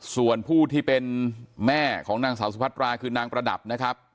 ส่วนผู้ที่เป็นแม่ของนางสาวสุพัตราคือนางประดับนะครับ